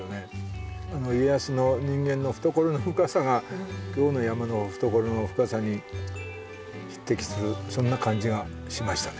家康の人間の懐の深さが今日の山の懐の深さに匹敵するそんな感じがしましたね。